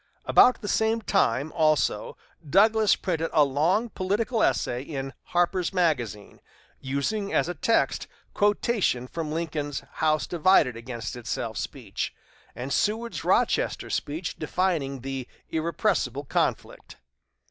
About the same time, also, Douglas printed a long political essay in "Harper's Magazine," using as a text quotations from Lincoln's "House divided against itself" speech, and Seward's Rochester speech defining the "irrepressible conflict."